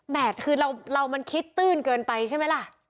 คือเรามันคิดตื้นเกินไปใช่ไหมล่ะ